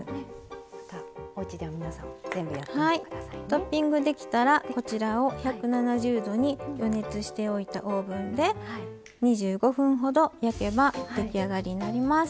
トッピングできたらこちらを１７０℃に予熱しておいたオーブンで２５分ほど焼けば出来上がりになります。